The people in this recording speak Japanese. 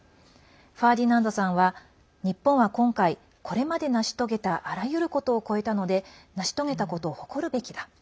ファーディナンドさんは日本は今回、これまで成し遂げたあらゆることを越えたので成し遂げたことを誇るべきだ。